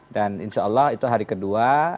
dan insya allah itu hari kedua